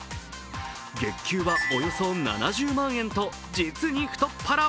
月給はおよそ７０万円と実に太っ腹。